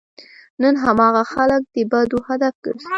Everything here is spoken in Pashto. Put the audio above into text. نن هماغه خلک د بدو هدف ګرځي.